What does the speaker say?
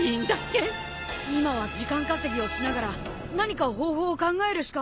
今は時間稼ぎをしながら何か方法を考えるしか。